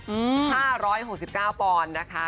๕๖๙ปอนด์นะคะ